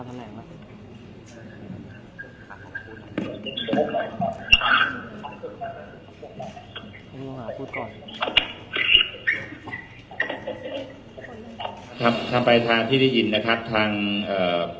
ถ้าไปทางที่ได้ยินนะครับทางเอ่อ